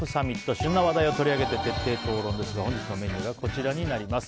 旬な話題を取り上げて徹底討論ですが本日のメニューがこちらになります。